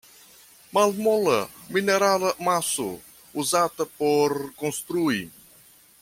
Malmola, minerala maso uzata por konstrui.